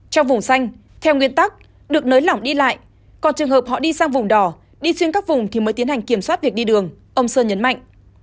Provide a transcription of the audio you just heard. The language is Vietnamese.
trong vùng xanh theo nguyên tắc được nới lỏng đi lại còn trường hợp họ đi sang vùng đỏ đi xuyên các vùng thì mới tiến hành kiểm soát việc đi đường ông sơn nhấn mạnh